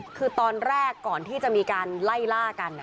อันนี้คือจังหวะแรกก่อนที่จะมีการไล่ล่ากัน